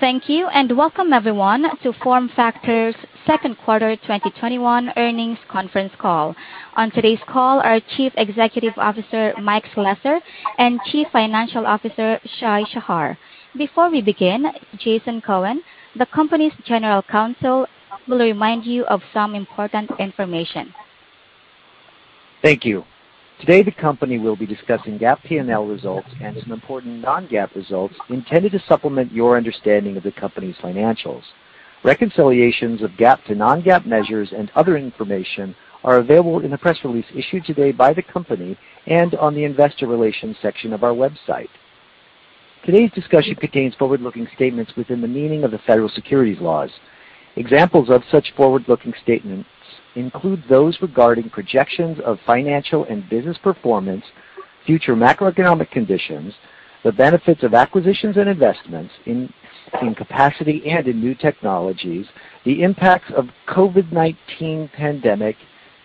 Thank you, and welcome, everyone, to FormFactor's second quarter 2021 earnings conference call. On today's call are Chief Executive Officer, Mike Slessor, and Chief Financial Officer, Shai Shahar. Before we begin, Jason Cohen, the company's General Counsel will remind you of some important information. Thank you. Today, the company will be discussing GAAP P&L results and some important non-GAAP results intended to supplement your understanding of the company's financials. Reconciliations of GAAP to non-GAAP measures and other information are available in the press release issued today by the company and on the investor relations section of our website. Today's discussion contains forward-looking statements within the meaning of the Federal Securities Laws. Examples of such forward-looking statements include those regarding projections of financial and business performance, future macroeconomic conditions, the benefits of acquisitions and investments in capacity and in new technologies, the impacts of COVID-19 pandemic,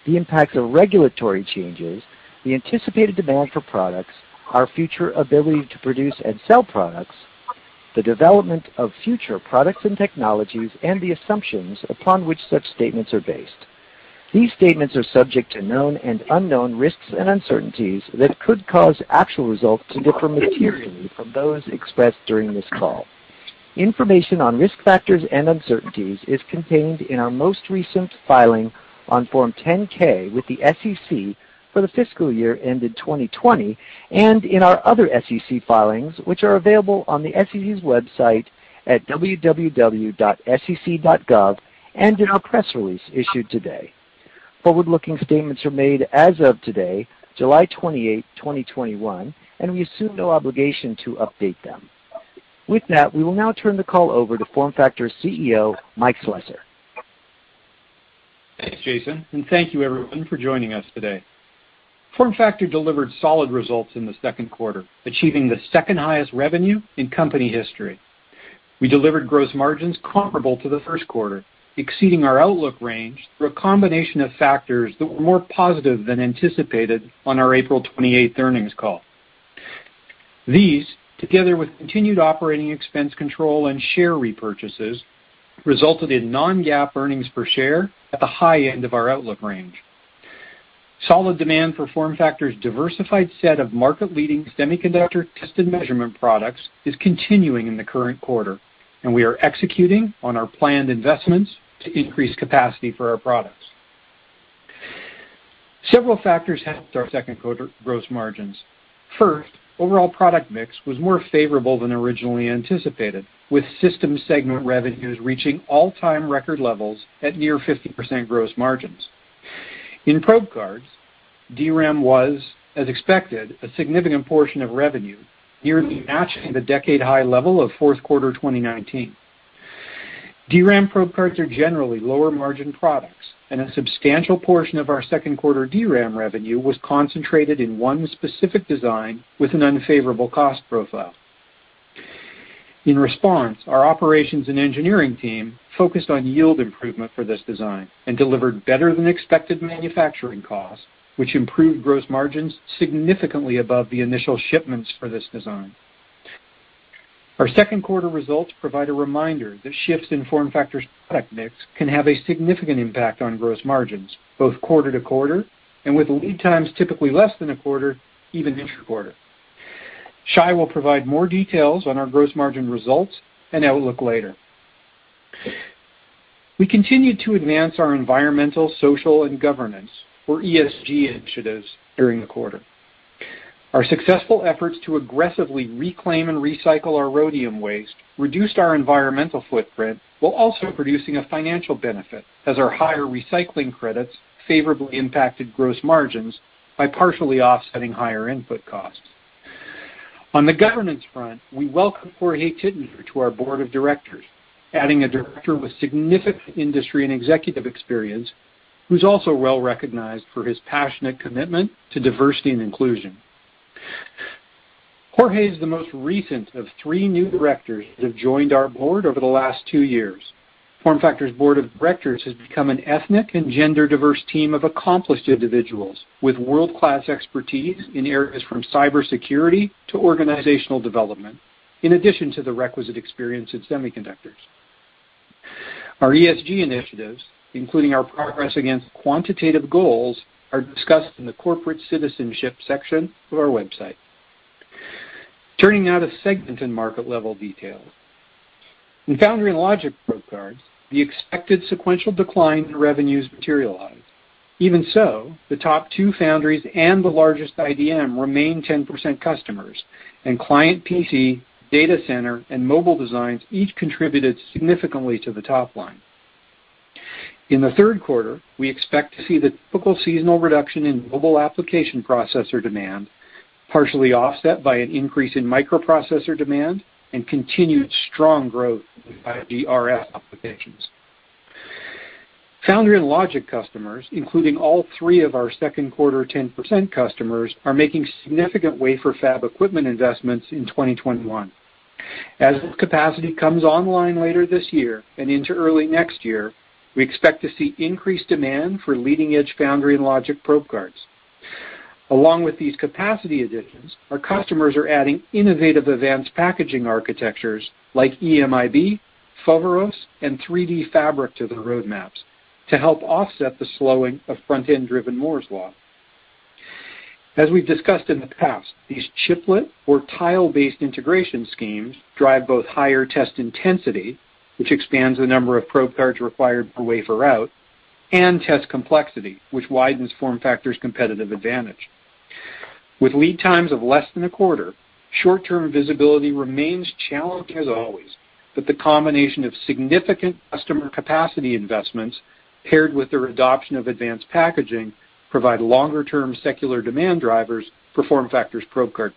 the impacts of regulatory changes, the anticipated demand for products, our future ability to produce and sell products, the development of future products and technologies, and the assumptions upon which such statements are based. These statements are subject to known and unknown risks and uncertainties that could cause actual results to differ materially from those expressed during this call. Information on risk factors and uncertainties is contained in our most recent filing on Form 10-K with the SEC for the fiscal year ended 2020, and in our other SEC filings, which are available on the SEC's website at www.sec.gov, and in our press release issued today. Forward-looking statements are made as of today, July 28, 2021, and we assume no obligation to update them. With that, we will now turn the call over to FormFactor CEO, Mike Slessor. Thanks, Jason, and thank you, everyone, for joining us today. FormFactor delivered solid results in the 2nd quarter, achieving the 2nd highest revenue in company history. We delivered gross margins comparable to the 1st quarter, exceeding our outlook range through a combination of factors that were more positive than anticipated on our April 28th earnings call. These, together with continued operating expense control and share repurchases, resulted in non-GAAP earnings per share at the high end of our outlook range. Solid demand for FormFactor's diversified set of market-leading semiconductor test and measurement products is continuing in the current quarter, and we are executing on our planned investments to increase capacity for our products. Several factors helped our 2nd quarter gross margins. First, overall product mix was more favorable than originally anticipated, with systems segment revenues reaching all-time record levels at near 50% gross margins. In probe cards, DRAM was, as expected, a significant portion of revenue, nearly matching the decade-high level of fourth quarter 2019. DRAM probe cards are generally lower-margin products, and a substantial portion of our second quarter DRAM revenue was concentrated in one specific design with an unfavorable cost profile. In response, our operations and engineering team focused on yield improvement for this design and delivered better-than-expected manufacturing costs, which improved gross margins significantly above the initial shipments for this design. Our second quarter results provide a reminder that shifts in FormFactor's product mix can have a significant impact on gross margins, both quarter to quarter, and with lead times typically less than a quarter, even intra-quarter. Shai will provide more details on our gross margin results and outlook later. We continued to advance our environmental, social, and governance, or ESG initiatives during the quarter. Our successful efforts to aggressively reclaim and recycle our rhodium waste reduced our environmental footprint while also producing a financial benefit, as our higher recycling credits favorably impacted gross margins by partially offsetting higher input costs. On the governance front, we welcome Jorge Titinger to our board of directors, adding a director with significant industry and executive experience, who's also well-recognized for his passionate commitment to diversity and inclusion. Jorge is the most recent of three new directors that have joined our board over the last two years. FormFactor's board of directors has become an ethnic and gender-diverse team of accomplished individuals with world-class expertise in areas from cybersecurity to organizational development, in addition to the requisite experience in semiconductors. Our ESG initiatives, including our progress against quantitative goals, are discussed in the corporate citizenship section of our website. Turning now to segment and market-level details. In foundry and logic probe cards, the expected sequential decline in revenues materialized. Even so, the top two foundries and the largest IDM remain 10% customers, and client PC, data center, and mobile designs each contributed significantly to the top line. In the third quarter, we expect to see the typical seasonal reduction in mobile application processor demand, partially offset by an increase in microprocessor demand and continued strong growth in 5G RF applications. Foundry and logic customers, including all three of our second quarter 10% customers, are making significant wafer fab equipment investments in 2021. As this capacity comes online later this year and into early next year, we expect to see increased demand for leading-edge foundry and logic probe cards. Along with these capacity additions, our customers are adding innovative advanced packaging architectures like EMIB, Foveros, and 3DFabric to their roadmaps to help offset the slowing of front-end-driven Moore's law. As we've discussed in the past, these chiplet or tile-based integration schemes drive both higher test intensity, which expands the number of probe cards required per wafer out, and test complexity, which widens FormFactor's competitive advantage. With lead times of less than a quarter, short-term visibility remains challenged as always, but the combination of significant customer capacity investments paired with their adoption of advanced packaging provide longer-term secular demand drivers for FormFactor's probe card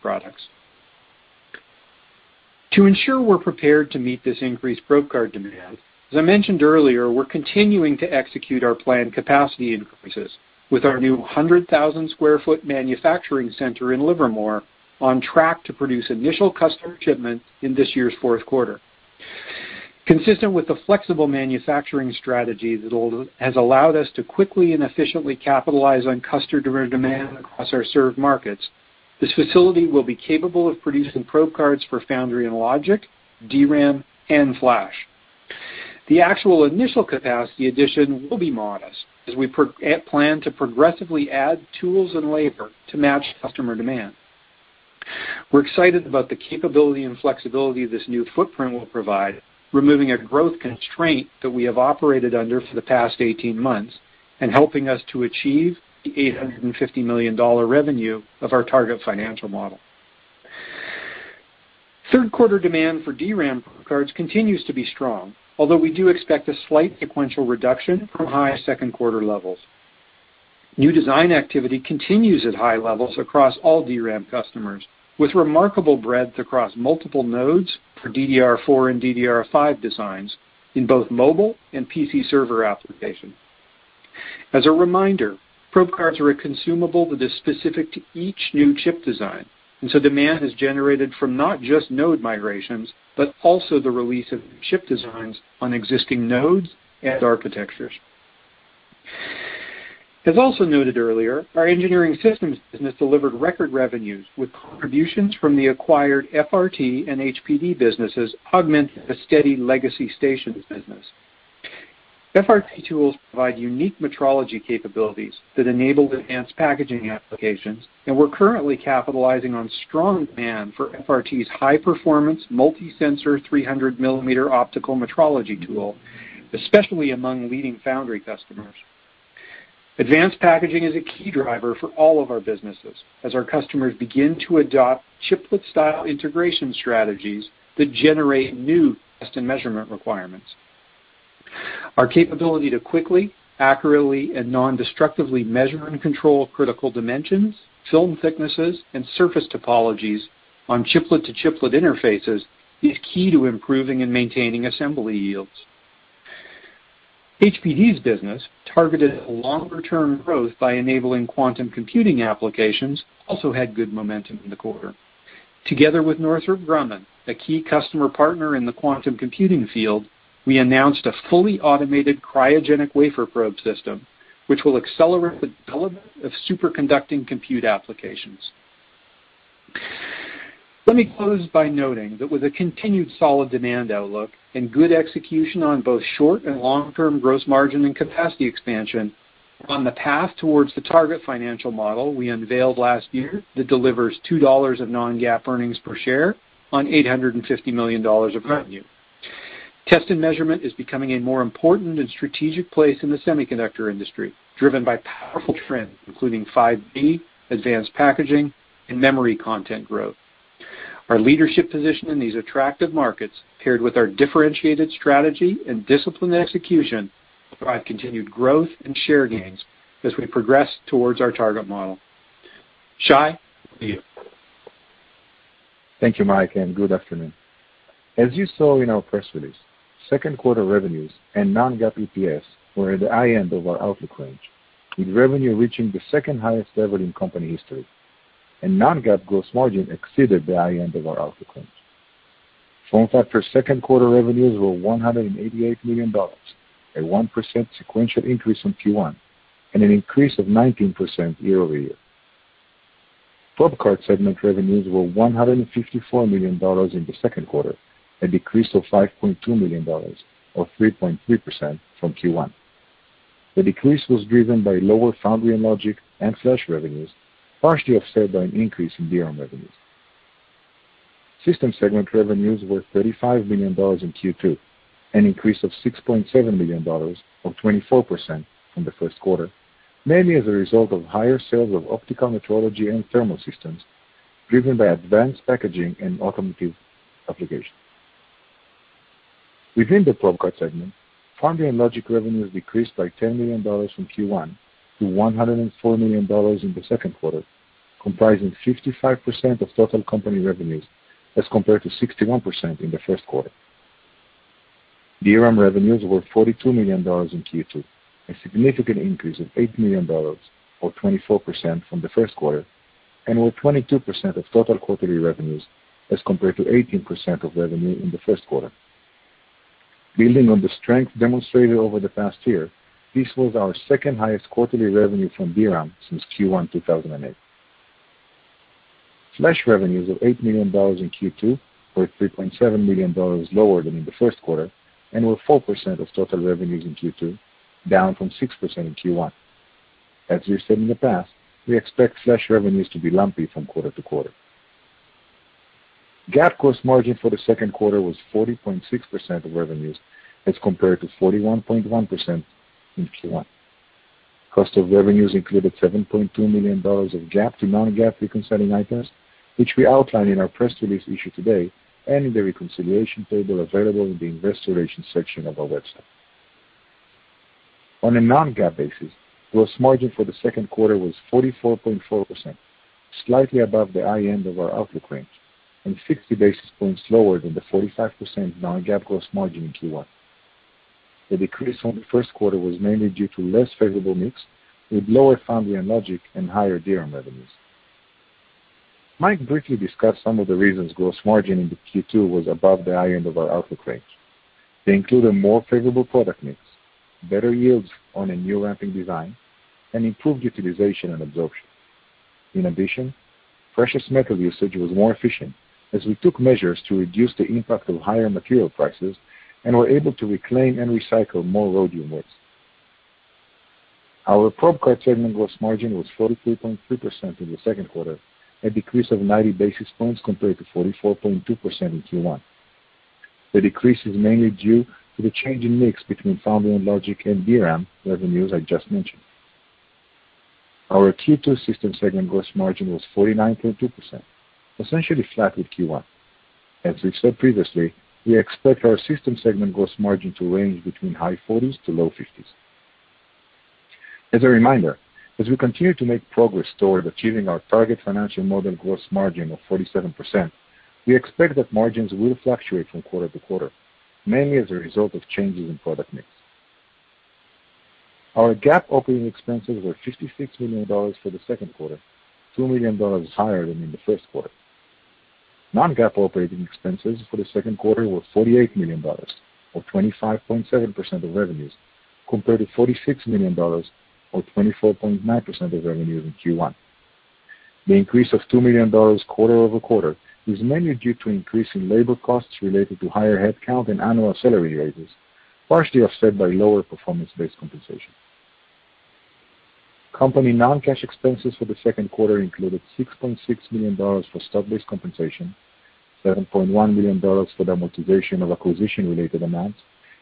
products. To ensure we're prepared to meet this increased probe card demand, as I mentioned earlier, we're continuing to execute our planned capacity increases with our new 100,000 sq ft manufacturing center in Livermore on track to produce initial customer shipments in this year's fourth quarter. Consistent with the flexible manufacturing strategy that has allowed us to quickly and efficiently capitalize on customer demand across our served markets, this facility will be capable of producing probe cards for foundry and logic, DRAM, and flash. The actual initial capacity addition will be modest as we plan to progressively add tools and labor to match customer demand. We're excited about the capability and flexibility this new footprint will provide, removing a growth constraint that we have operated under for the past 18 months, and helping us to achieve the $850 million revenue of our target financial model. Third quarter demand for DRAM probe cards continues to be strong, although we do expect a slight sequential reduction from high second quarter levels. New design activity continues at high levels across all DRAM customers, with remarkable breadth across multiple nodes for DDR4 and DDR5 designs in both mobile and PC server applications. As a reminder, probe cards are a consumable that is specific to each new chip design, so demand is generated from not just node migrations, but also the release of new chip designs on existing nodes and architectures. As also noted earlier, our engineering systems business delivered record revenues, with contributions from the acquired FRT and HPD businesses augmenting the steady legacy stations business. FRT tools provide unique metrology capabilities that enable advanced packaging applications, and we're currently capitalizing on strong demand for FRT's high-performance, multi-sensor, 300-millimeter optical metrology tool, especially among leading foundry customers. Advanced packaging is a key driver for all of our businesses, as our customers begin to adopt chiplet-style integration strategies that generate new test and measurement requirements. Our capability to quickly, accurately, and non-destructively measure and control critical dimensions, film thicknesses, and surface topologies on chiplet-to-chiplet interfaces is key to improving and maintaining assembly yields. HPD's business, targeted at longer-term growth by enabling quantum computing applications, also had good momentum in the quarter. Together with Northrop Grumman, a key customer partner in the quantum computing field, we announced a fully automated cryogenic wafer probe system, which will accelerate the development of superconducting compute applications. Let me close by noting that with a continued solid demand outlook and good execution on both short- and long-term gross margin and capacity expansion, we're on the path towards the target financial model we unveiled last year that delivers $2 of non-GAAP earnings per share on $850 million of revenue. Test and measurement is becoming a more important and strategic place in the semiconductor industry, driven by powerful trends, including 5G, advanced packaging, and memory content growth. Our leadership position in these attractive markets, paired with our differentiated strategy and disciplined execution, will provide continued growth and share gains as we progress towards our target model. Shai, to you. Thank you, Mike Slessor, and good afternoon. As you saw in our press release, second quarter revenues and non-GAAP EPS were at the high end of our outlook range, with revenue reaching the second highest level in company history. Non-GAAP gross margin exceeded the high end of our outlook range. FormFactor second quarter revenues were $188 million, a 1% sequential increase from Q1, and an increase of 19% year-over-year. Probe Card Segment revenues were $154 million in the second quarter, a decrease of $5.2 million, or 3.3% from Q1. The decrease was driven by lower foundry and logic and flash revenues, partially offset by an increase in DRAM revenues. System Segment revenues were $35 million in Q2, an increase of $6.7 million, or 24% from the first quarter, mainly as a result of higher sales of optical metrology and thermal systems, driven by advanced packaging and automotive applications. Within the probe card segment, foundry and logic revenues decreased by $10 million from Q1 to $104 million in the second quarter, comprising 55% of total company revenues as compared to 61% in the first quarter. DRAM revenues were $42 million in Q2, a significant increase of $8 million, or 24% from the first quarter, and were 22% of total quarterly revenues, as compared to 18% of revenue in the first quarter. Building on the strength demonstrated over the past year, this was our second highest quarterly revenue from DRAM since Q1 2008. Flash revenues of $8 million in Q2 were $3.7 million lower than in the first quarter, and were 4% of total revenues in Q2, down from 6% in Q1. As we've said in the past, we expect flash revenues to be lumpy from quarter to quarter. GAAP cost margin for the second quarter was 40.6% of revenues as compared to 41.1% in Q1. Cost of revenues included $7.2 million of GAAP to non-GAAP reconciling items, which we outline in our press release issued today, and in the reconciliation table available in the investor relations section of our website. On a non-GAAP basis, gross margin for the second quarter was 44.4%, slightly above the high end of our outlook range, and 50 basis points lower than the 45% non-GAAP gross margin in Q1. The decrease from the first quarter was mainly due to less favorable mix, with lower foundry and logic and higher DRAM revenues. Mike briefly discussed some of the reasons gross margin in Q2 was above the high end of our outlook range. They include a more favorable product mix, better yields on a new ramping design, and improved utilization and absorption. In addition, precious metal usage was more efficient as we took measures to reduce the impact of higher material prices and were able to reclaim and recycle more rhodium waste. Our probe card segment gross margin was 43.3% in the second quarter, a decrease of 90 basis points compared to 44.2% in Q1. The decrease is mainly due to the change in mix between foundry and logic and DRAM revenues I just mentioned. Our Q2 system segment gross margin was 49.2%, essentially flat with Q1. As we've said previously, we expect our system segment gross margin to range between high 40s to low 50s. As a reminder, as we continue to make progress toward achieving our target financial model gross margin of 47%, we expect that margins will fluctuate from quarter to quarter, mainly as a result of changes in product mix. Our GAAP operating expenses were $56 million for the second quarter, $2 million higher than in the first quarter. Non-GAAP operating expenses for the second quarter were $48 million, or 25.7% of revenues, compared to $46 million, or 24.9% of revenues in Q1. The increase of $2 million quarter-over-quarter is mainly due to increase in labor costs related to higher headcount and annual salary raises, partially offset by lower performance-based compensation. Company non-cash expenses for the second quarter included $6.6 million for stock-based compensation, $7.1 million for the amortization of acquisition-related amounts,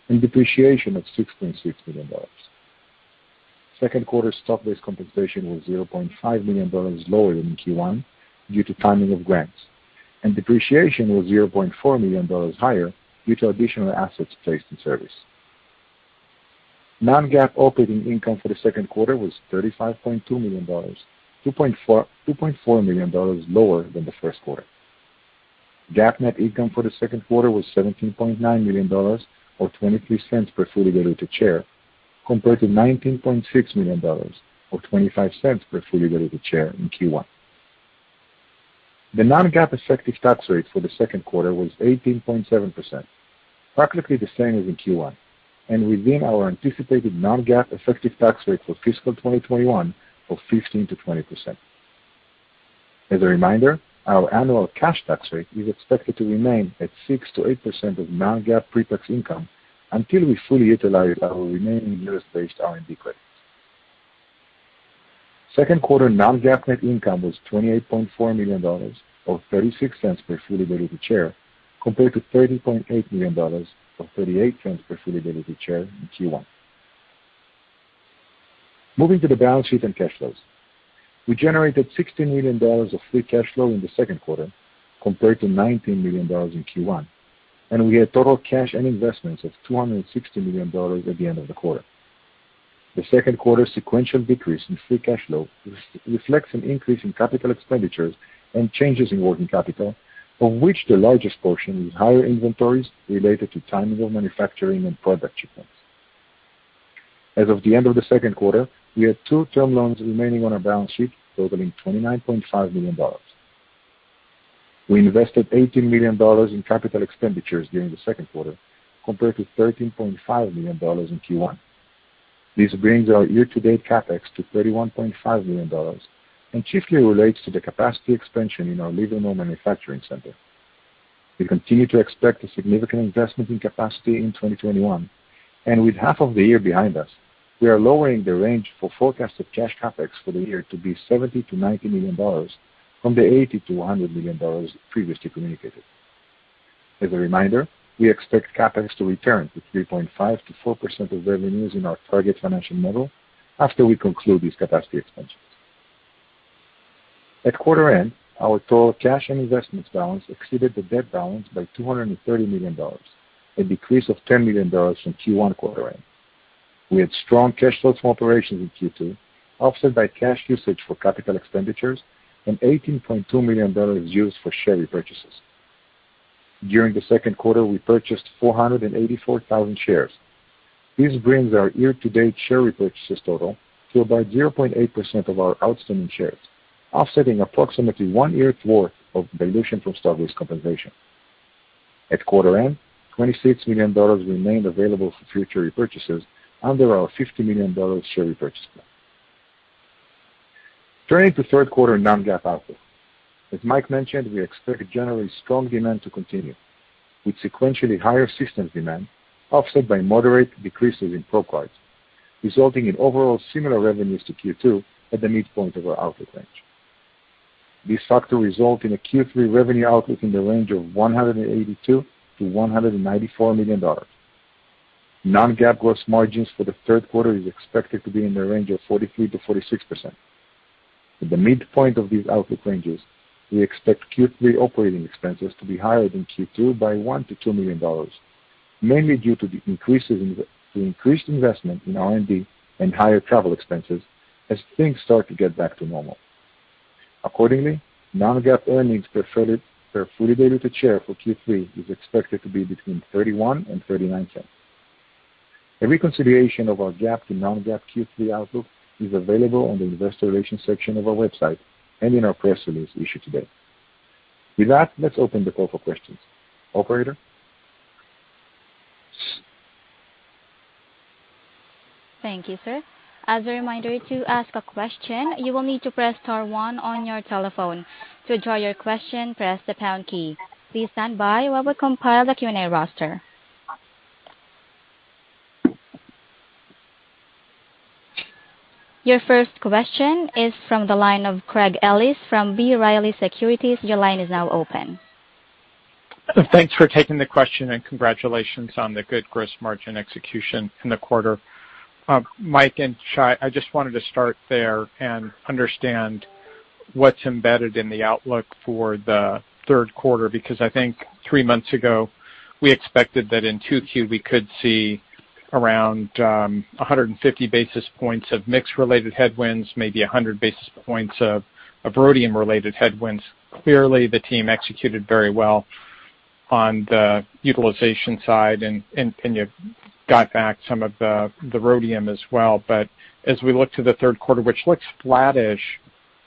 and depreciation of $6.6 million. Second quarter stock-based compensation was $0.5 million lower than in Q1 due to timing of grants, and depreciation was $0.4 million higher due to additional assets placed in service. Non-GAAP operating income for the second quarter was $35.2 million, $2.4 million lower than the first quarter. GAAP net income for the second quarter was $17.9 million, or $0.23 per fully diluted share, compared to $19.6 million or $0.25 per fully diluted share in Q1. The non-GAAP effective tax rate for the second quarter was 18.7%, practically the same as in Q1, and within our anticipated non-GAAP effective tax rate for fiscal 2021 of 15%-20%. As a reminder, our annual cash tax rate is expected to remain at 6%-8% of non-GAAP pre-tax income until we fully utilize our remaining U.S.-based R&D credits. Second quarter non-GAAP net income was $28.4 million, or $0.36 per fully diluted share, compared to $30.8 million, or $0.38 per fully diluted share in Q1. Moving to the balance sheet and cash flows. We generated $16 million of free cash flow in the second quarter compared to $19 million in Q1, and we had total cash and investments of $260 million at the end of the quarter. The second quarter sequential decrease in free cash flow reflects an increase in capital expenditures and changes in working capital, of which the largest portion is higher inventories related to timing of manufacturing and product shipments. As of the end of the second quarter, we had two term loans remaining on our balance sheet, totaling $29.5 million. We invested $18 million in capital expenditures during the second quarter, compared to $13.5 million in Q1. This brings our year-to-date CapEx to $31.5 million, and chiefly relates to the capacity expansion in our Livermore manufacturing center. We continue to expect a significant investment in capacity in 2021, and with half of the year behind us, we are lowering the range for forecasted cash CapEx for the year to be $70 million-$90 million from the $80 million-$100 million previously communicated. As a reminder, we expect CapEx to return to 3.5%-4% of revenues in our target financial model after we conclude these capacity expansions. At quarter end, our total cash and investments balance exceeded the debt balance by $230 million, a decrease of $10 million from Q1 quarter end. We had strong cash flows from operations in Q2, offset by cash usage for capital expenditures and $18.2 million used for share repurchases. During the second quarter, we purchased 484,000 shares. This brings our year-to-date share repurchases total to about 0.8% of our outstanding shares, offsetting approximately one year's worth of dilution from stock-based compensation. At quarter end, $26 million remained available for future repurchases under our $50 million share repurchase plan. Turning to third quarter non-GAAP outlook. As Mike mentioned, we expect generally strong demand to continue, with sequentially higher systems demand offset by moderate decreases in Probe cards, resulting in overall similar revenues to Q2 at the midpoint of our outlook range. These factors result in a Q3 revenue outlook in the range of $182 million-$194 million. Non-GAAP gross margins for the third quarter is expected to be in the range of 43%-46%. At the midpoint of these outlook ranges, we expect Q3 operating expenses to be higher than Q2 by $1 million-$2 million, mainly due to the increased investment in R&D and higher travel expenses as things start to get back to normal. Accordingly, non-GAAP earnings per fully diluted share for Q3 is expected to be between $0.31 and $0.39. A reconciliation of our GAAP to non-GAAP Q3 outlook is available on the investor relations section of our website and in our press release issued today. With that, let's open the call for questions. Operator? Thank you, sir. Your first question is from the line of Craig Ellis from B. Riley Securities. Your line is now open. Thanks for taking the question and congratulations on the good gross margin execution in the quarter. Mike and Shai, I just wanted to start there and understand what's embedded in the outlook for the third quarter, because I think three months ago, we expected that in 2Q, we could see around 150 basis points of mix-related headwinds, maybe 100 basis points of rhodium-related headwinds. Clearly, the team executed very well on the utilization side, and you got back some of the rhodium as well. As we look to the third quarter, which looks flattish,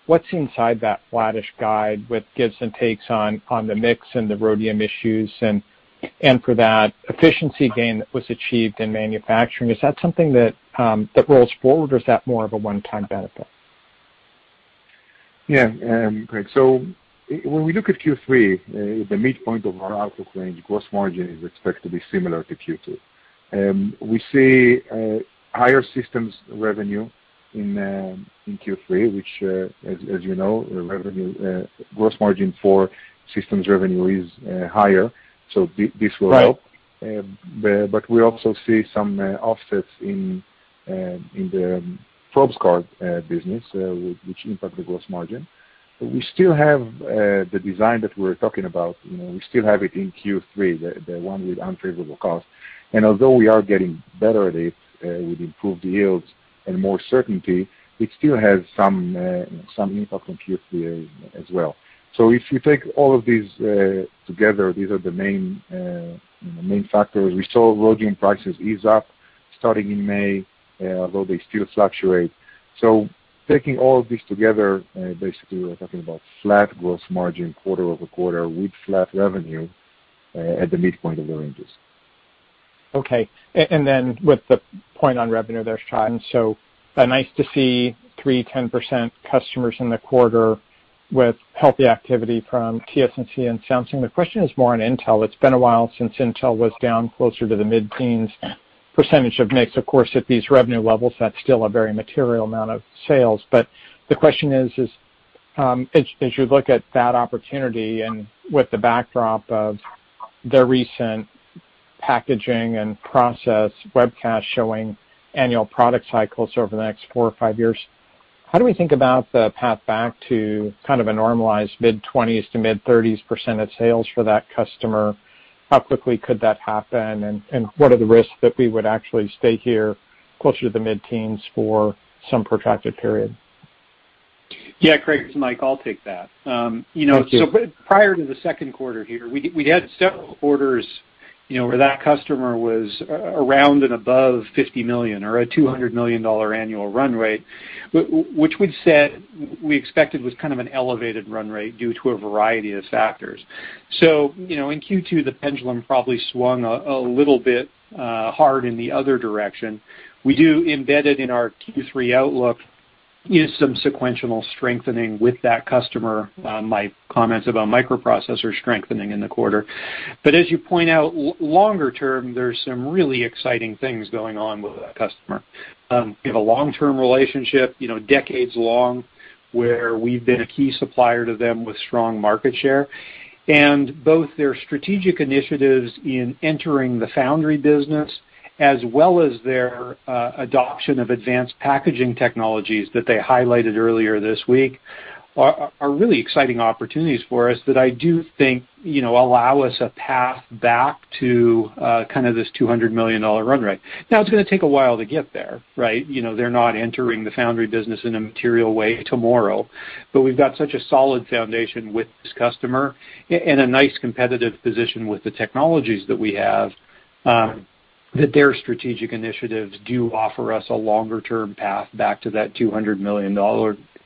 what's inside that flattish guide with gives and takes on the mix and the rhodium issues, and for that efficiency gain that was achieved in manufacturing, is that something that rolls forward or is that more of a one-time benefit? Yeah. Craig, when we look at Q3, at the midpoint of our outlook range, gross margin is expected to be similar to Q2. We see higher systems revenue in Q3, which, as you know, gross margin for systems revenue is higher, this will help. Right. We also see some offsets in the probe card business, which impact the gross margin. We still have the design that we're talking about. We still have it in Q3, the one with unfavorable costs. Although we are getting better at it with improved yields and more certainty, it still has some impact on Q3 as well. If you take all of these together, these are the main factors. We saw rhodium prices ease up starting in May, although they still fluctuate. Taking all of these together, basically we're talking about flat gross margin quarter-over-quarter with flat revenue, at the midpoint of the ranges. Okay. Then with the point on revenue there, Shai, so nice to see 3%-10% customers in the quarter with healthy activity from TSMC and Samsung. The question is more on Intel. It's been a while since Intel was down closer to the mid-teens percentage of mix. Of course, at these revenue levels, that's still a very material amount of sales. The question is, as you look at that opportunity and with the backdrop of the recent packaging and process webcast showing annual product cycles over the next four or five years, how do we think about the path back to kind of a normalized mid-20s to mid-30s % of sales for that customer? How quickly could that happen, and what are the risks that we would actually stay here closer to the mid-teens for some protracted period? Yeah, Craig, it's Mike. I'll take that. Thank you. Prior to the second quarter here, we'd had several quarters where that customer was around and above $50 million or a $200 million annual run rate, which we expected was kind of an elevated run rate due to a variety of factors. In Q2, the pendulum probably swung a little bit hard in the other direction. We do embed it in our Q3 outlook is some sequential strengthening with that customer, my comments about microprocessor strengthening in the quarter. As you point out, longer term, there's some really exciting things going on with that customer. We have a long-term relationship, decades long, where we've been a key supplier to them with strong market share. Both their strategic initiatives in entering the foundry business as well as their adoption of advanced packaging technologies that they highlighted earlier this week are really exciting opportunities for us that I do think allow us a path back to kind of this $200 million run rate. Now, it's going to take a while to get there, right? They're not entering the foundry business in a material way tomorrow, but we've got such a solid foundation with this customer and a nice competitive position with the technologies that we have. Their strategic initiatives do offer us a longer-term path back to that $200 million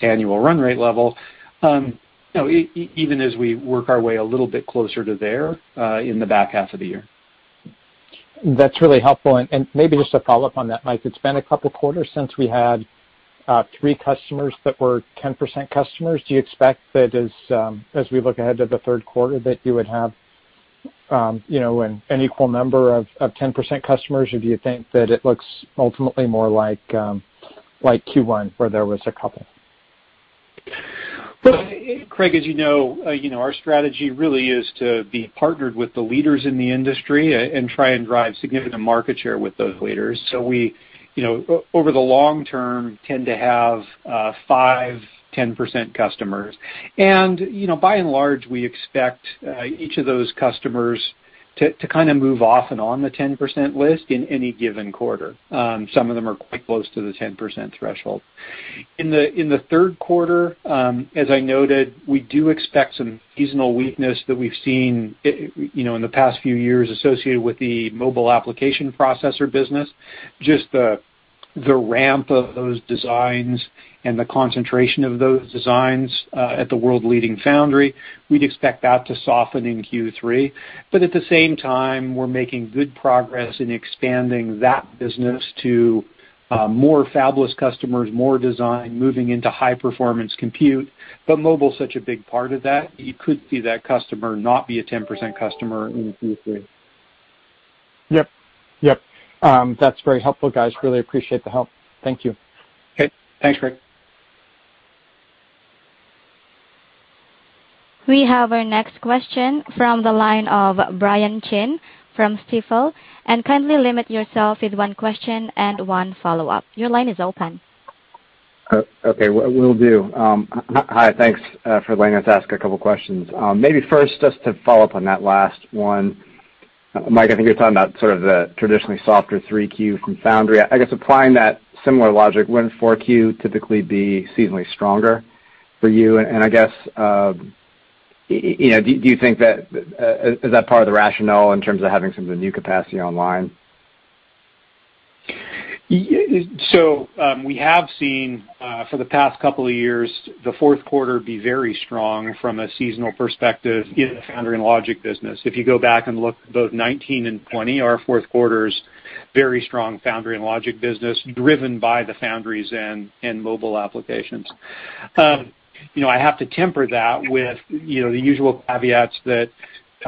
annual run rate level, even as we work our way a little bit closer to there in the back half of the year. That's really helpful. Maybe just to follow up on that, Mike, it's been a couple quarters since we had three customers that were 10% customers. Do you expect that as we look ahead to the third quarter, that you would have an equal number of 10% customers? Do you think that it looks ultimately more like Q1, where there was a couple? Craig, as you know, our strategy really is to be partnered with the leaders in the industry and try and drive significant market share with those leaders. We, over the long term, tend to have five, 10% customers. By and large, we expect each of those customers to kind of move off and on the 10% list in any given quarter. Some of them are quite close to the 10% threshold. In the third quarter, as I noted, we do expect some seasonal weakness that we've seen in the past few years associated with the mobile application processor business. Just the ramp of those designs and the concentration of those designs at the world-leading foundry, we'd expect that to soften in Q3. At the same time, we're making good progress in expanding that business to more fabless customers, more design, moving into high-performance compute. Mobile is such a big part of that, you could see that customer not be a 10% customer in Q3. Yep. That's very helpful, guys. Really appreciate the help. Thank you. Okay. Thanks, Craig. We have our next question from the line of Brian Chin from Stifel. Kindly limit yourself with 1 question and 1 follow-up. Your line is open. Okay. Will do. Hi, thanks for letting us ask a couple questions. Maybe first, just to follow up on that last one. Mike, I think you're talking about sort of the traditionally softer 3Q from foundry. I guess applying that similar logic, wouldn't 4Q typically be seasonally stronger for you? I guess, do you think that is that part of the rationale in terms of having some of the new capacity online? We have seen, for the past couple of years, the fourth quarter be very strong from a seasonal perspective in the foundry and logic business. If you go back and look at both 2019 and 2020, our fourth quarter's very strong foundry and logic business, driven by the foundries and mobile applications. I have to temper that with the usual caveats that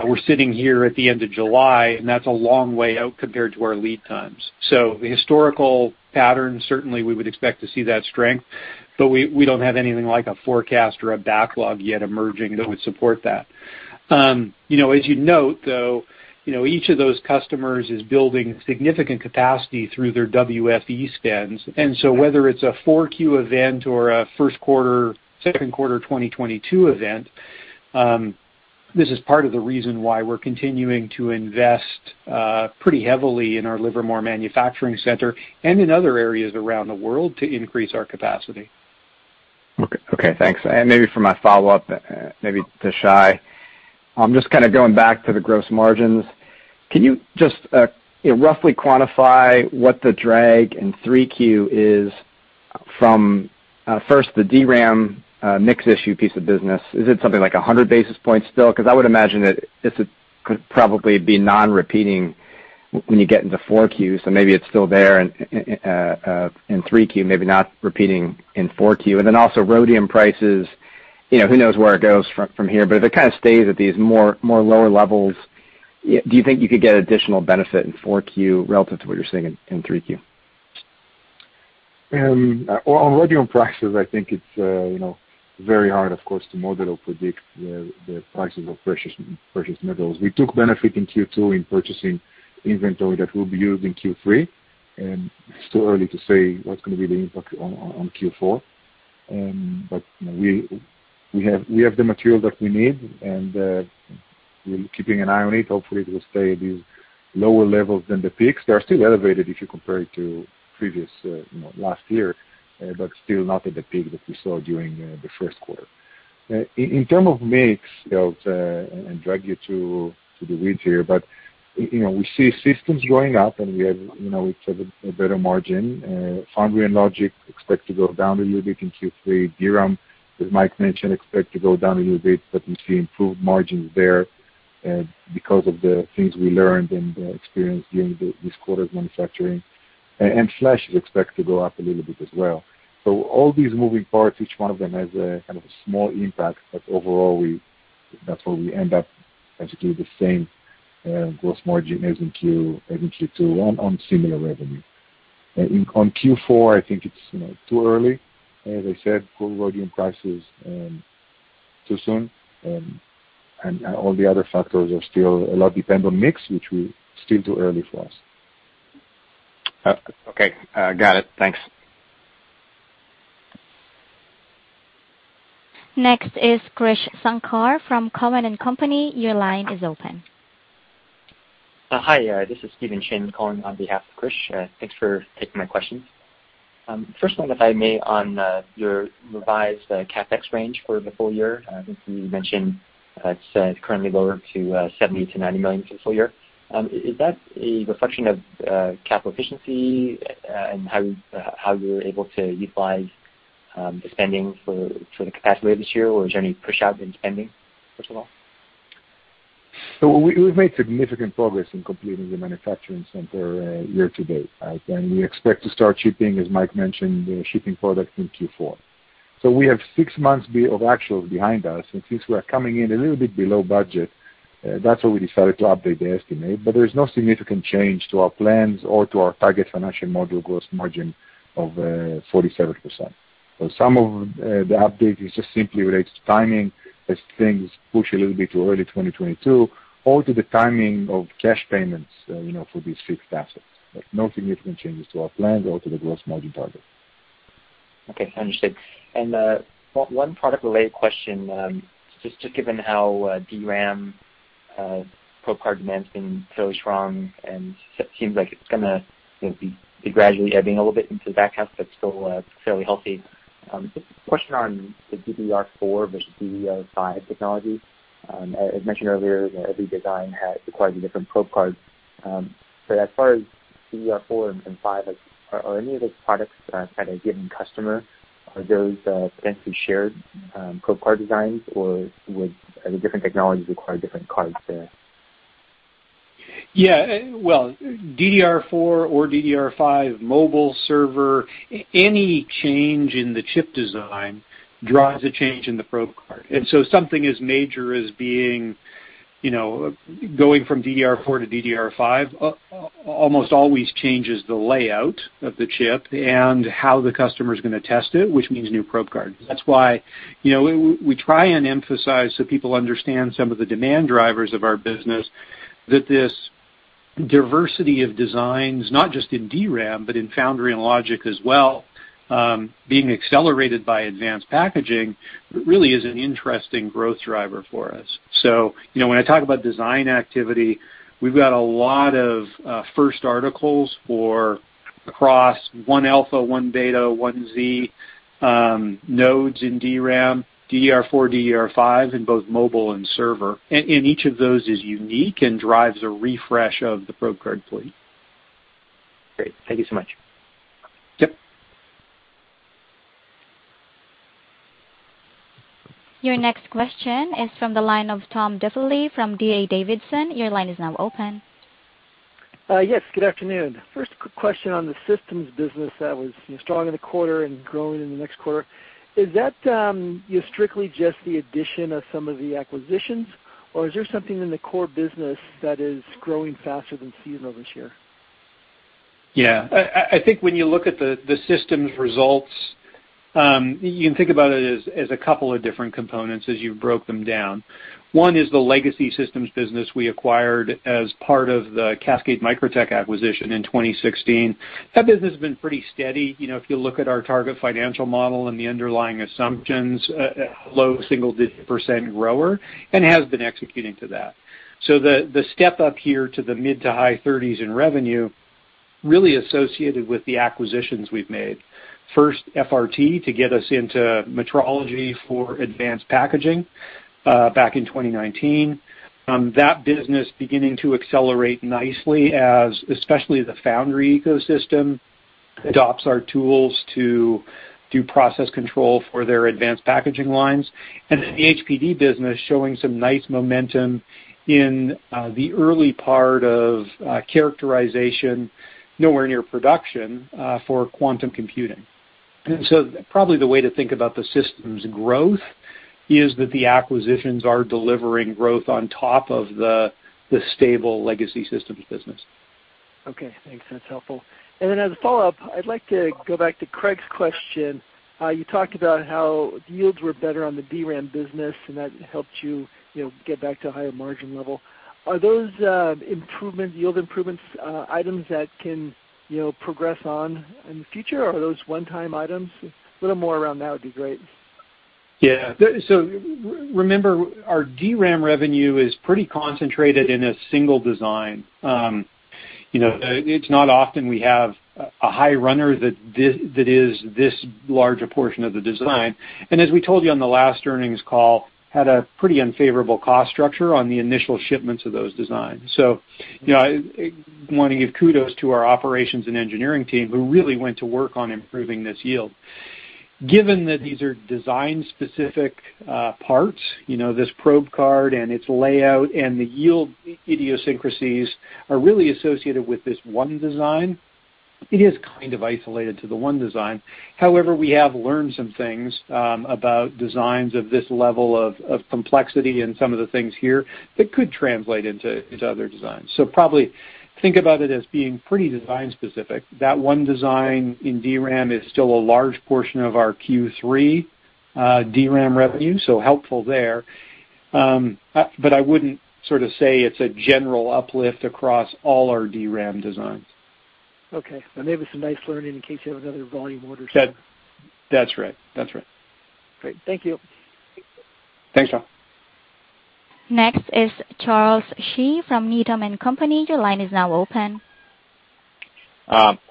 we're sitting here at the end of July, and that's a long way out compared to our lead times. The historical pattern, certainly we would expect to see that strength, but we don't have anything like a forecast or a backlog yet emerging that would support that. As you'd note, though, each of those customers is building significant capacity through their WFE spends. Whether it's a 4Q event or a first quarter, second quarter 2022 event, this is part of the reason why we're continuing to invest pretty heavily in our Livermore manufacturing center and in other areas around the world to increase our capacity. Okay, thanks. Maybe for my follow-up, maybe to Shai. Just kind of going back to the gross margins, can you just roughly quantify what the drag in 3Q is from, first, the DRAM mix issue piece of business? Is it something like 100 basis points still? I would imagine that this could probably be non-repeating when you get into 4Q, so maybe it's still there in 3Q, maybe not repeating in 4Q. Then also rhodium prices, who knows where it goes from here, but if it kind of stays at these more lower levels, do you think you could get additional benefit in 4Q relative to what you're seeing in 3Q? On rhodium prices, I think it's very hard, of course, to model or predict the prices of precious metals. We took benefit in Q2 in purchasing inventory that will be used in Q3, and it's too early to say what's going to be the impact on Q4. We have the material that we need, and we're keeping an eye on it. Hopefully it will stay at these lower levels than the peaks. They are still elevated if you compare it to previous, last year, but still not at the peak that we saw during the first quarter. In term of mix, I'll drag you to the weeds here, but we see systems going up, and we have a better margin. Foundry and logic expect to go down a little bit in Q3. DRAM, as Mike mentioned, expect to go down a little bit, but we see improved margins there because of the things we learned and experienced during this quarter's manufacturing. Flash is expected to go up a little bit as well. All these moving parts, each one of them has a kind of a small impact, but overall, that's why we end up essentially the same gross margin as in Q2 on similar revenue. On Q4, I think it's too early. As I said, for rhodium prices, too soon, and all the other factors are still a lot depend on mix, which will still too early for us. Okay. Got it. Thanks. Next is Krish Sankar from Cowen and Company. Your line is open. Hi. This is Steven Chin calling on behalf of Krish. Thanks for taking my questions. First one, if I may, on your revised CapEx range for the full year. I think you mentioned it's currently lower to $70 million-$90 million for the full year. Is that a reflection of capital efficiency and how you're able to utilize the spending for the capacity this year, or is there any push out in spending first of all? We've made significant progress in completing the manufacturing center year to date. We expect to start shipping, as Mike mentioned, shipping product in Q4. We have six months of actuals behind us, and since we're coming in a little bit below budget, that's where we decided to update the estimate. There is no significant change to our plans or to our target financial model gross margin of 47%. Some of the update is just simply related to timing as things push a little bit to early 2022 or to the timing of cash payments for these fixed assets. No significant changes to our plans or to the gross margin target. Okay, understood. One product-related question, just given how DRAM probe card demand's been fairly strong and seems like it's going to be gradually ebbing a little bit into the back half, but still fairly healthy. Just a question on the DDR4 versus DDR5 technology. As mentioned earlier, every design requires a different probe card. As far as DDR4 and 5, are any of those products at a given customer, are those potentially shared probe card designs, or would the different technologies require different cards there? Yeah. Well, DDR4 or DDR5 mobile server, any change in the chip design drives a change in the probe card. Something as major as going from DDR4 to DDR5 almost always changes the layout of the chip and how the customer's going to test it, which means new probe cards. That's why we try and emphasize so people understand some of the demand drivers of our business, that this diversity of designs, not just in DRAM, but in foundry and logic as well, being accelerated by advanced packaging, really is an interesting growth driver for us. When I talk about design activity, we've got a lot of first articles for across 1-alpha, 1-beta, 1Z nodes in DRAM, DDR4, DDR5 in both mobile and server. Each of those is unique and drives a refresh of the probe card fleet. Great. Thank you so much. Yep. Your next question is from the line of Thomas Diffely from D.A. Davidson. Your line is now open. Yes. Good afternoon. First question on the systems business that was strong in the quarter and growing in the next quarter. Is that strictly just the addition of some of the acquisitions, or is there something in the core business that is growing faster than seasonal this year. I think when you look at the systems results, you can think about it as a couple of different components as you broke them down. One is the legacy systems business we acquired as part of the Cascade Microtech acquisition in 2016. That business has been pretty steady. If you look at our target financial model and the underlying assumptions, a low single-digit % grower and has been executing to that. The step-up here to the mid to high 30s in revenue really associated with the acquisitions we've made. First, FRT to get us into metrology for advanced packaging back in 2019. That business beginning to accelerate nicely as especially the foundry ecosystem adopts our tools to do process control for their advanced packaging lines. The HPD business showing some nice momentum in the early part of characterization, nowhere near production, for quantum computing. Probably the way to think about the systems growth is that the acquisitions are delivering growth on top of the stable legacy systems business. Okay, thanks. That's helpful. As a follow-up, I'd like to go back to Craig's question. You talked about how yields were better on the DRAM business, and that helped you get back to a higher margin level. Are those yield improvements items that can progress on in the future, or are those one-time items? A little more around that would be great. Yeah. Remember, our DRAM revenue is pretty concentrated in a single design. It's not often we have a high runner that is this large a portion of the design, and as we told you on the last earnings call, had a pretty unfavorable cost structure on the initial shipments of those designs. I want to give kudos to our operations and engineering team, who really went to work on improving this yield. Given that these are design-specific parts, this probe card and its layout and the yield idiosyncrasies are really associated with this one design. It is kind of isolated to the 1 design. However, we have learned some things about designs of this level of complexity and some of the things here that could translate into other designs. Probably think about it as being pretty design-specific. That one design in DRAM is still a large portion of our Q3 DRAM revenue, so helpful there. I wouldn't sort of say it's a general uplift across all our DRAM designs. Okay. Maybe some nice learning in case you have another volume order. That's right. Great. Thank you. Thanks, Tom. Next is Charles Shi from Needham & Company. Your line is now open.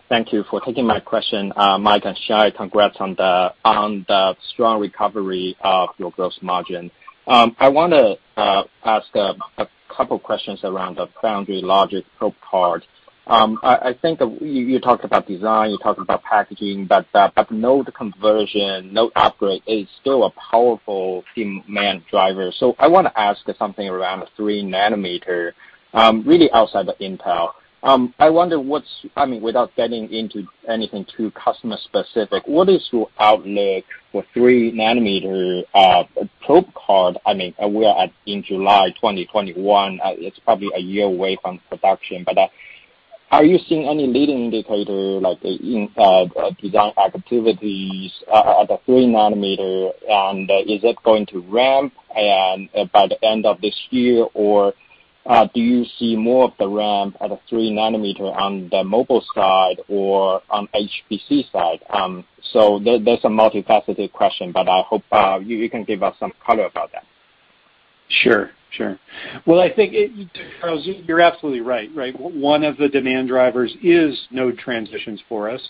Thank you for taking my question. Mike and Shai, congrats on the strong recovery of your gross margin. I want to ask a couple of questions around the foundry logic probe card. I think you talked about design, you talked about packaging, node conversion, node upgrade is still a powerful demand driver. I want to ask something around the 3 nm, really outside of Intel. Without getting into anything too customer-specific, what is your outlook for 3 nm probe card? We are in July 2021, it's probably a year away from production, but are you seeing any leading indicator, like Intel design activities at the 3 nm, and is it going to ramp by the end of this year? Do you see more of the ramp at a 3 nm on the mobile side or on HPC side? That's a multifaceted question, but I hope you can give us some color about that. Sure. Well, I think, Charles, you're absolutely right. One of the demand drivers is node transitions for us.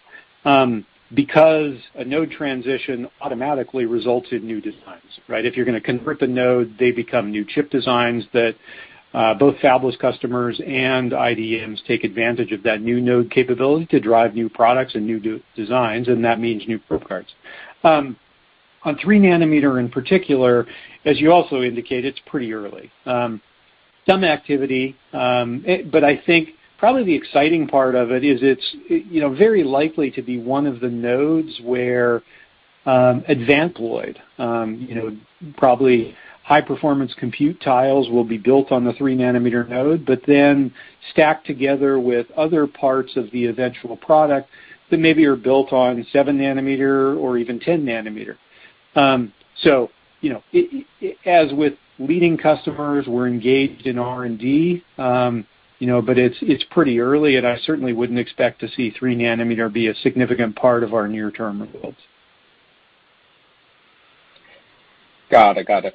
A node transition automatically results in new designs, right? If you're going to convert the node, they become new chip designs that both fabless customers and IDMs take advantage of that new node capability to drive new products and new designs, and that means new probe cards. On 3 nm, in particular, as you also indicate, it's pretty early. Some activity, but I think probably the exciting part of it is it's very likely to be one of the nodes where advanced logic probably high-performance compute tiles will be built on the 3 nm node, but then stacked together with other parts of the eventual product that maybe are built on 7 nm or even 10-nanometer. As with leading customers, we're engaged in R&D, but it's pretty early, and I certainly wouldn't expect to see 3 nm be a significant part of our near-term builds. Got it.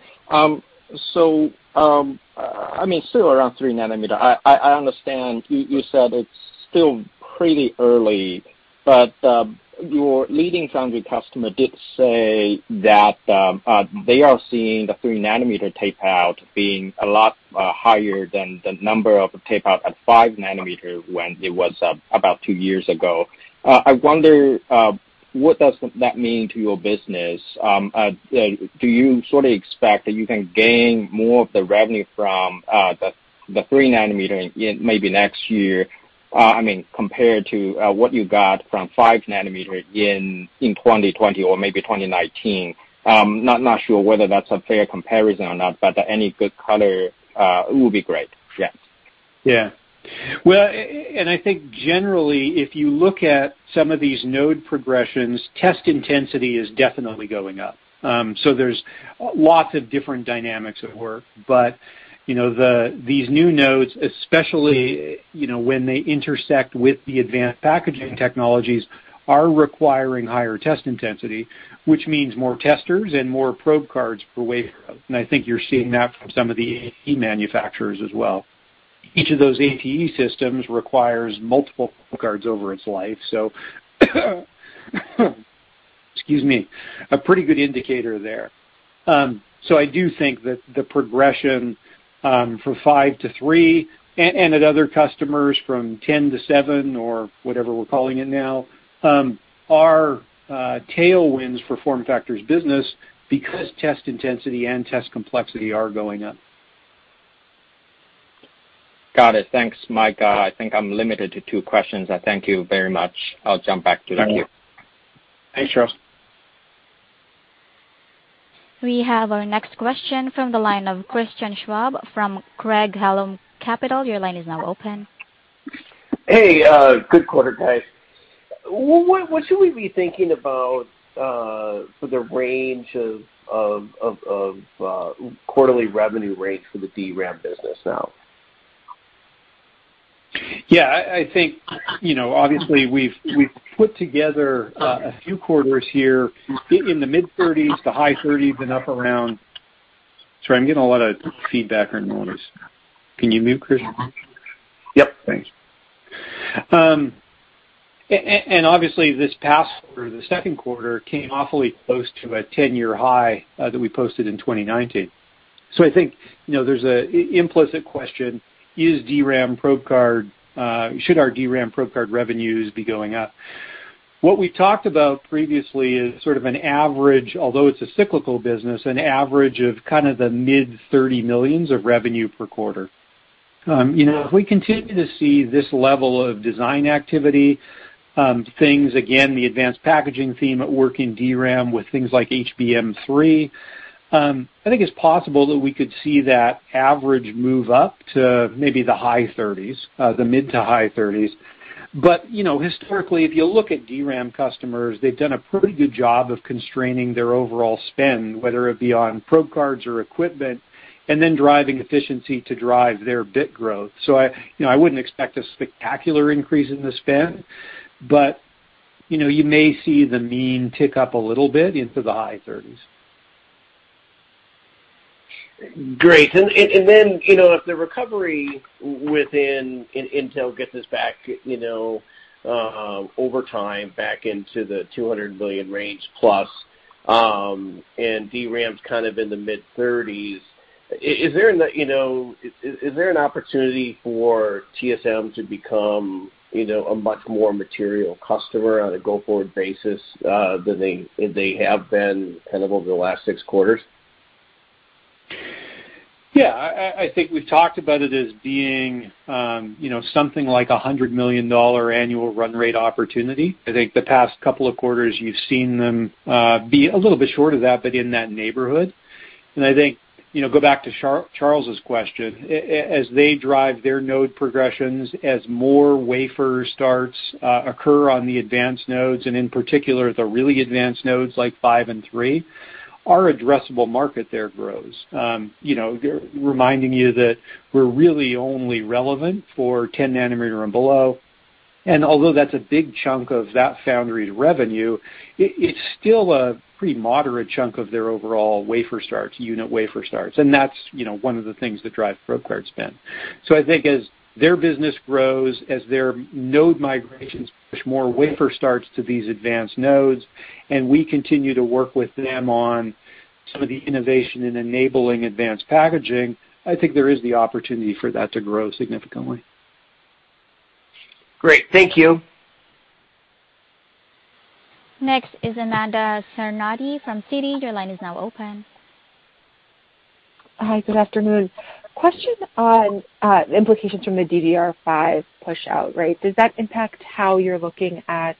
Still around 3 nm, I understand you said it's still pretty early, but your leading foundry customer did say that they are seeing the 3 nm tape-out being a lot higher than the number of tape-out at 5 nm when it was about two years ago. I wonder, what does that mean to your business? Do you sort of expect that you can gain more of the revenue from the 3 nm maybe next year, compared to what you got from 5 nm in 2020 or maybe 2019? Not sure whether that's a fair comparison or not. Any good color will be great. Yeah. Well, I think generally, if you look at some of these node progressions, test intensity is definitely going up. There's lots of different dynamics at work, but these new nodes, especially when they intersect with the advanced packaging technologies, are requiring higher test intensity, which means more testers and more probe cards per wafer. I think you're seeing that from some of the ATE manufacturers as well. Each of those ATE systems requires multiple probe cards over its life, excuse me, a pretty good indicator there. I do think that the progression from five to three, and at other customers, from 10 to seven, or whatever we're calling it now, are tailwinds for FormFactor's business because test intensity and test complexity are going up. Got it. Thanks, Mike. I think I'm limited to two questions. I thank you very much. I'll jump back to the queue. Thank you. Thanks, Charles. We have our next question from the line of Christian Schwab from Craig-Hallum Capital. Your line is now open. Hey. Good quarter, guys. What should we be thinking about for the range of quarterly revenue rates for the DRAM business now? Yeah, I think, obviously, we've put together a few quarters here in the mid-30s to high 30s and up around. Sorry, I'm getting a lot of feedback or noise. Can you mute, Christian? Yep. Thanks. Obviously, this past quarter, the second quarter, came awfully close to a 10-year high that we posted in 2019. I think there's an implicit question. Should our DRAM probe card revenues be going up? What we talked about previously is sort of an average, although it's a cyclical business, an average of kind of the mid $30 millions of revenue per quarter. If we continue to see this level of design activity, things, again, the advanced packaging theme at work in DRAM with things like HBM3, I think it's possible that we could see that average move up to maybe the mid to high 30s. Historically, if you look at DRAM customers, they've done a pretty good job of constraining their overall spend, whether it be on probe cards or equipment, and then driving efficiency to drive their bit growth. I wouldn't expect a spectacular increase in the spend. You may see the mean tick up a little bit into the high 30s. Great. If the recovery within Intel gets us back over time, back into the $200 million range plus, and DRAM's kind of in the mid-30s, is there an opportunity for TSMC to become a much more material customer on a go-forward basis than they have been kind of over the last six quarters? Yeah, I think we've talked about it as being something like $100 million annual run rate opportunity. I think the past couple of quarters you've seen them be a little bit short of that, but in that neighborhood. I think, go back to Charles' question, as they drive their node progressions, as more wafer starts occur on the advanced nodes, and in particular, the really advanced nodes like five and three, our addressable market there grows. Reminding you that we're really only relevant for 10 nm and below, and although that's a big chunk of that foundry's revenue, it's still a pretty moderate chunk of their overall wafer starts, unit wafer starts. That's one of the things that drive Probe Card spend. I think as their business grows, as their node migrations push more wafer starts to these advanced nodes, and we continue to work with them on some of the innovation in enabling advanced packaging, I think there is the opportunity for that to grow significantly. Great. Thank you. Next is Amanda Scarnati from Citigroup. Your line is now open. Hi, good afternoon. Question on implications from the DDR5 pushout, right? Does that impact how you're looking at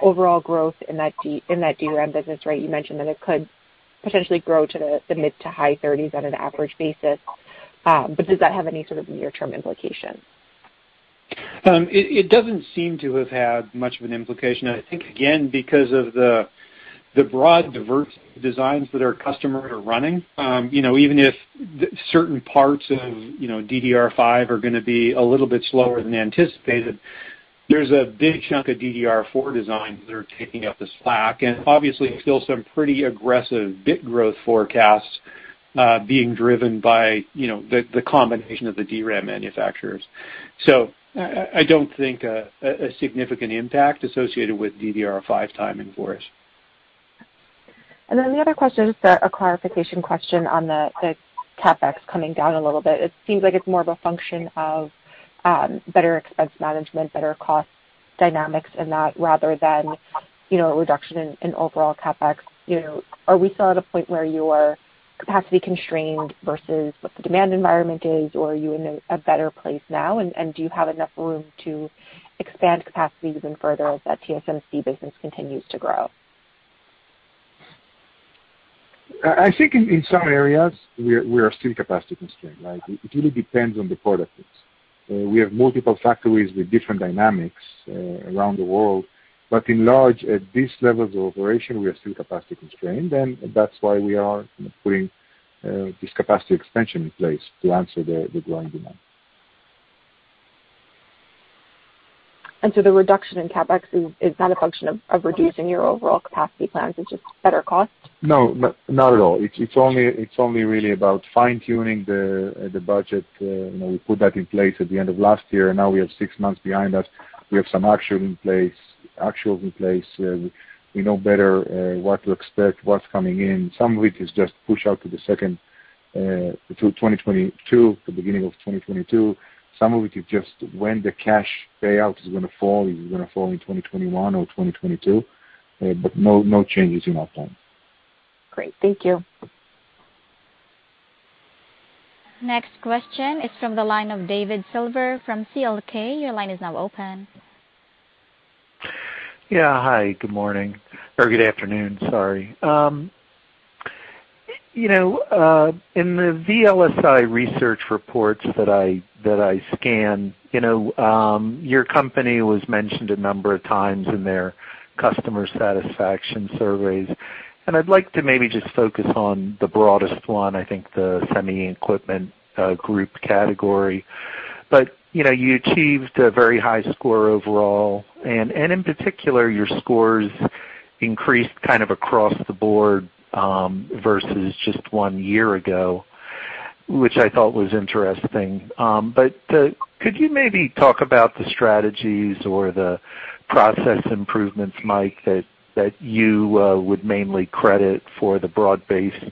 overall growth in that DRAM business, right? You mentioned that it could potentially grow to the mid to high 30s on an average basis, but does that have any sort of near-term implications? It doesn't seem to have had much of an implication, I think, again, because of the broad diversity of designs that our customers are running. Even if certain parts of DDR5 are going to be a little bit slower than anticipated, there's a big chunk of DDR4 designs that are taking up the slack, and obviously still some pretty aggressive bit growth forecasts being driven by the combination of the DRAM manufacturers. I don't think a significant impact associated with DDR5 timing for us. The other question is a clarification question on the CapEx coming down a little bit. It seems like it's more of a function of better expense management, better cost dynamics in that rather than a reduction in overall CapEx. Are we still at a point where you are capacity constrained versus what the demand environment is, or are you in a better place now, and do you have enough room to expand capacity even further as that TSMC business continues to grow? I think in some areas, we are still capacity constrained, right? It really depends on the product mix. We have multiple factories with different dynamics around the world, but in large, at these levels of operation, we are still capacity constrained, and that's why we are putting this capacity expansion in place to answer the growing demand. The reduction in CapEx is not a function of reducing your overall capacity plans. It's just better cost? No, not at all. It's only really about fine-tuning the budget. We put that in place at the end of last year. Now we have 6 months behind us. We have some actuals in place. We know better what to expect, what's coming in. Some of it is just push out to 2022, the beginning of 2022. Some of it is just when the cash payout is going to fall. Is it going to fall in 2021 or 2022? No changes in our plans. Great. Thank you. Next question is from the line of David Duley from CLK. Your line is now open. Yeah. Hi, good morning. Or good afternoon, sorry. In the VLSIresearch reports that I scan, your company was mentioned a number of times in their customer satisfaction surveys. I'd like to maybe just focus on the broadest one, I think the semi equipment group category. You achieved a very high score overall, and in particular, your scores increased kind of across the board, versus just one year ago, which I thought was interesting. Could you maybe talk about the strategies or the process improvements, Mike, that you would mainly credit for the broad-based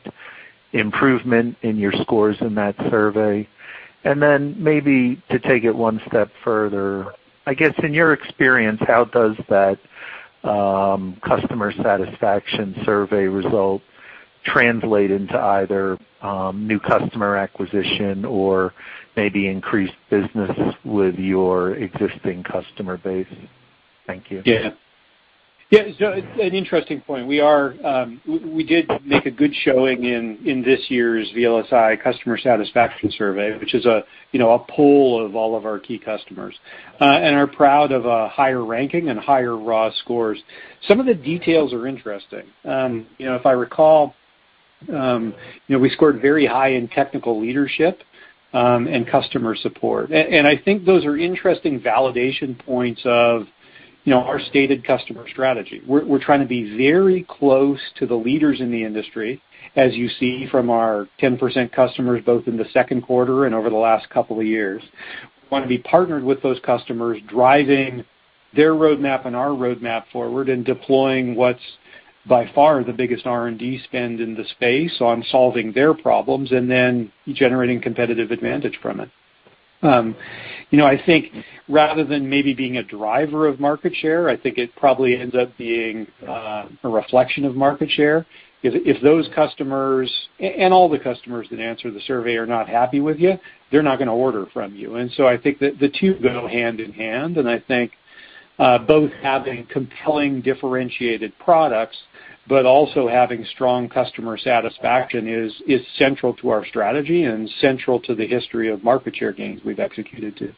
improvement in your scores in that survey? Maybe to take it one step further, I guess in your experience, how does that customer satisfaction survey result translate into either new customer acquisition or maybe increased business with your existing customer base? Thank you. Yeah. An interesting point. We did make a good showing in this year's VLSI Customer Satisfaction Survey, which is a poll of all of our key customers, and are proud of a higher ranking and higher raw scores. Some of the details are interesting. If I recall, we scored very high in technical leadership and customer support. I think those are interesting validation points of our stated customer strategy. We're trying to be very close to the leaders in the industry, as you see from our 10% customers, both in the second quarter and over the last couple of years. We want to be partnered with those customers, driving their roadmap and our roadmap forward, and deploying what's by far the biggest R&D spend in the space on solving their problems, and then generating competitive advantage from it. I think rather than maybe being a driver of market share, I think it probably ends up being a reflection of market share. If those customers, and all the customers that answer the survey, are not happy with you, they're not going to order from you. I think that the two go hand-in-hand, and I think both having compelling differentiated products, but also having strong customer satisfaction is central to our strategy and central to the history of market share gains we've executed too.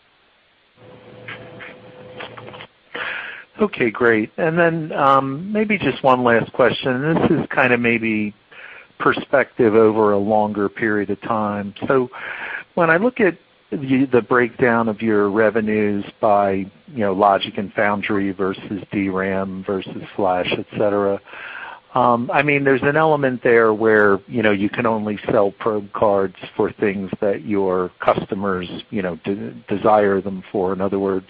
Okay, great. Then maybe just one last question. This is kind of maybe perspective over a longer period of time. So when I look at the breakdown of your revenues by logic and foundry versus DRAM, versus flash, et cetera, there's an element there where you can only sell probe cards for things that your customers desire them for. In other words,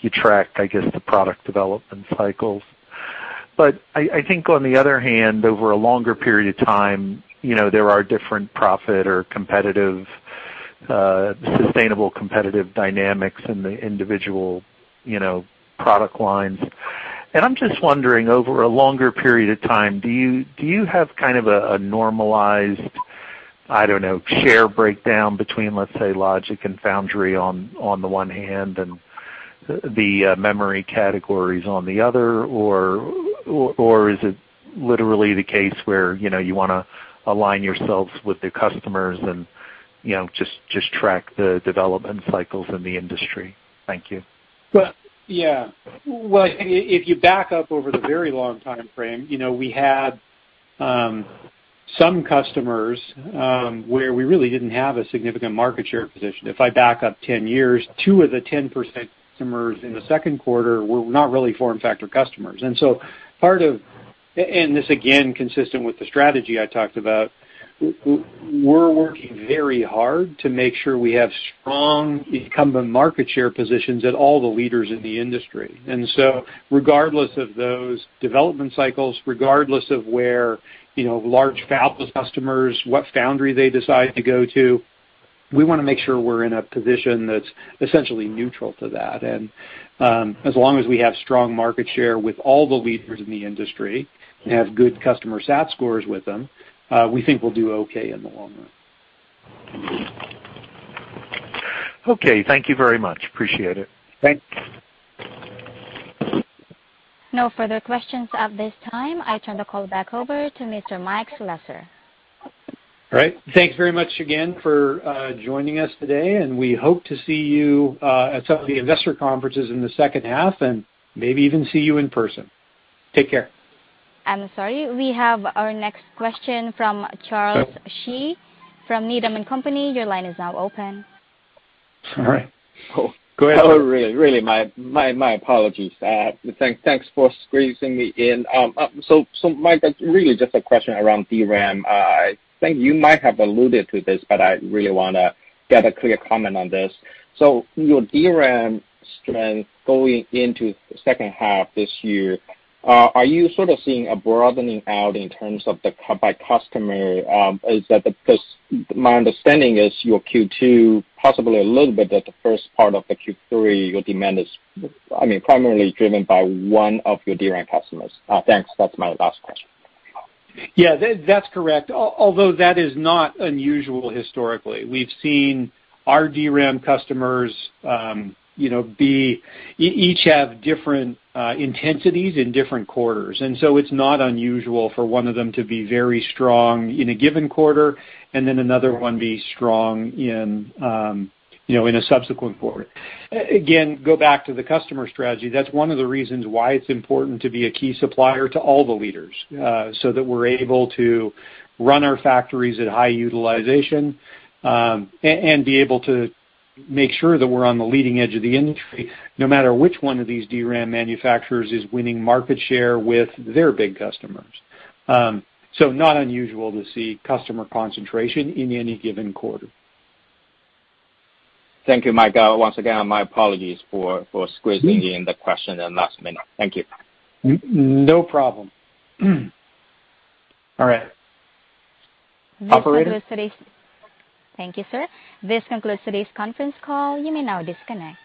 you track, I guess, the product development cycles. But I think on the other hand, over a longer period of time, there are different profit or sustainable competitive dynamics in the individual product lines. I'm just wondering, over a longer period of time, do you have kind of a normalized, I don't know, share breakdown between, let's say, logic and foundry on the one hand, and the memory categories on the other, or is it literally the case where you want to align yourselves with the customers and just track the development cycles in the industry? Thank you. Yeah. Well, if you back up over the very long timeframe, we had some customers where we really didn't have a significant market share position. If I back up 10 years, two of the 10% customers in the second quarter were not really FormFactor customers. This, again, consistent with the strategy I talked about, we're working very hard to make sure we have strong incumbent market share positions at all the leaders in the industry. Regardless of those development cycles, regardless of where large fabless customers, what foundry they decide to go to, we want to make sure we're in a position that's essentially neutral to that. As long as we have strong market share with all the leaders in the industry and have good customer sat scores with them, we think we'll do okay in the long run. Okay. Thank you very much. Appreciate it. Thanks. No further questions at this time. I turn the call back over to Mr. Mike Slessor. All right. Thanks very much again for joining us today. We hope to see you at some of the investor conferences in the second half, and maybe even see you in person. Take care. I'm sorry. We have our next question from Charles Shi from Needham & Company. Your line is now open. All right. Go ahead. Oh, really, my apologies. Thanks for squeezing me in. Mike, that's really just a question around DRAM. I think you might have alluded to this, but I really want to get a clear comment on this. Your DRAM strength going into second half this year, are you sort of seeing a broadening out in terms of by customer? Because my understanding is your Q2, possibly a little bit at the first part of the Q3, your demand is primarily driven by one of your DRAM customers. Thanks. That's my last question. Yeah, that's correct. Although that is not unusual historically. We've seen our DRAM customers each have different intensities in different quarters, and so it's not unusual for one of them to be very strong in a given quarter and then another one be strong in a subsequent quarter. Again, go back to the customer strategy. That's one of the reasons why it's important to be a key supplier to all the leaders, so that we're able to run our factories at high utilization, and be able to make sure that we're on the leading edge of the industry, no matter which one of these DRAM manufacturers is winning market share with their big customers. Not unusual to see customer concentration in any given quarter. Thank you, Mike. Once again, my apologies for squeezing in the question last minute. Thank you. No problem. All right. Operator? Thank you, sir. This concludes today's conference call. You may now disconnect.